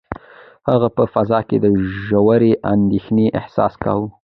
هغه په فضا کې د ژورې اندېښنې احساس کاوه.